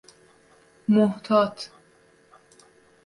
محتاط